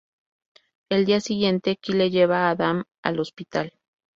Al día siguiente, Kyle lleva a Adam al hospital.